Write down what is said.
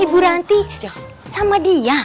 ibu ranti sama dia